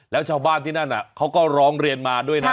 แล้วชาวบ้านที่นั่นเขาก็ร้องเรียนมาด้วยนะ